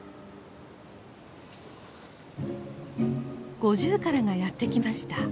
ゴジュウカラがやって来ました。